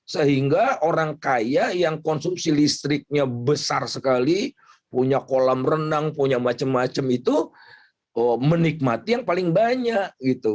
sehingga orang kaya yang konsumsi listriknya besar sekali punya kolam renang punya macam macam itu menikmati yang paling banyak gitu